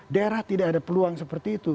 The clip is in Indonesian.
daerah tidak ada peluang seperti itu